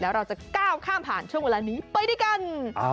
แล้วเราจะก้าวข้ามผ่านช่วงเวลานี้ไปด้วยกัน